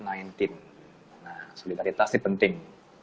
nah solidaritas ini penting